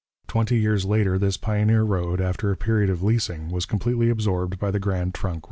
Twenty years later this pioneer road, after a period of leasing, was completely absorbed by the Grand Trunk Railway.